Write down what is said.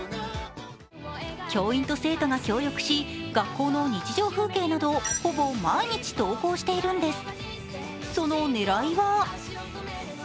教員と生徒が協力し学校の日常風景などをほぼ毎日、投稿しているんです。